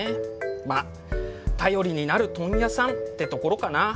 まあ頼りになる問屋さんってところかな。